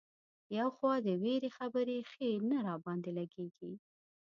یو خو دا د وېرې خبرې ښې نه را باندې لګېږي.